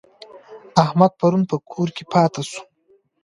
احمد پرون په کور کي پاته سو.